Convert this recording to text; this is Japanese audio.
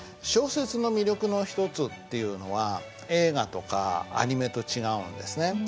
小説の魅力の一つっていうのは映画とかアニメと違うんですね。